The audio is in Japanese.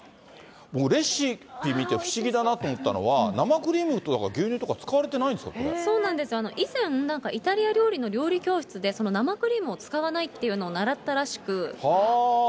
僕レシピ見て不思議だなと思ったのは生クリームとか、牛乳とか使そうなんです、以前なんかイタリア料理の料理教室で、生クリームを使わないというのを習ったらしく。